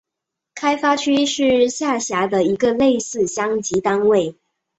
开发区是下辖的一个类似乡级单位。